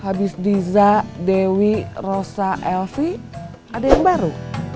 habis diza dewi rosa elvi ada yang baru